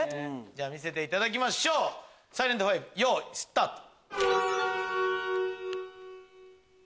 じゃあ見せていただきましょうサイレント５よいスタート！